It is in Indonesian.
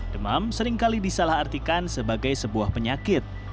demam seringkali disalahartikan sebagai sebuah penyakit